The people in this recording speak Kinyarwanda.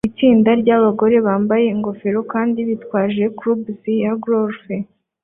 Itsinda ryabasore bambaye ingofero kandi bitwaje clubs za golf